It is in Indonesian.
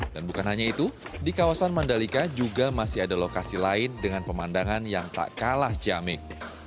dan bukan hanya itu di kawasan mandalika juga masih ada lokasi lain dengan pemandangan yang tak kalah jamek